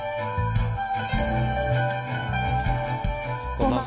こんばんは。